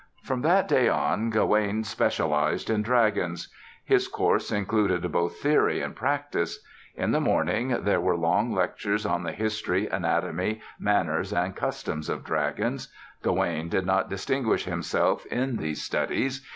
From that day on Gawaine specialized in dragons. His course included both theory and practice. In the morning there were long lectures on the history, anatomy, manners and customs of dragons. Gawaine did not distinguish himself in these studies.